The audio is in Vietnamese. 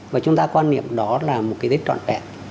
và chúng ta quan niệm đó là một cái tết trọn vẹn